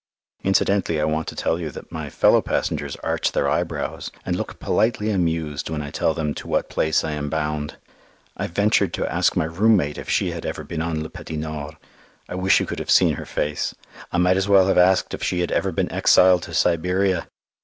Incidentally I want to tell you that my fellow passengers arch their eyebrows and look politely amused when I tell them to what place I am bound. I ventured to ask my room mate if she had ever been on Le Petit Nord. I wish you could have seen her face. I might as well have asked if she had ever been exiled to Siberia!